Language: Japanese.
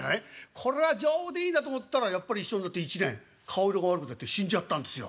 これは丈夫でいいなと思ったらやっぱり一緒になって１年顔色が悪くなって死んじゃったんですよ」。